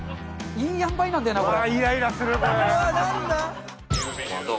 いいあんばいなんだよなこれ。